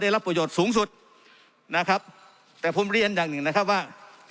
รับประโยชน์สูงสุดนะครับแต่ผมเรียนอย่างหนึ่งนะครับว่า